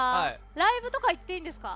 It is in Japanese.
ライブとか行っていいんですか？